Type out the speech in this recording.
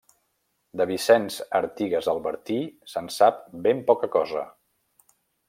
De Vicenç Artigas Albertí se'n sap ben poca cosa.